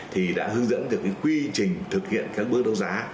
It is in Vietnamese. thì đã hướng dẫn được cái quy trình thực hiện các bước đấu giá